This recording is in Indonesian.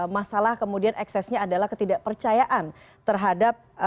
masalah kemudian eksesnya adalah ketidakpercayaan terhadap